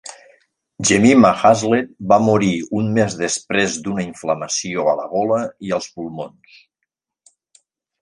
Jemima Haslet va morir un mes després d'una inflamació a la gola i als pulmons.